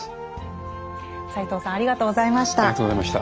斎藤さんありがとうございました。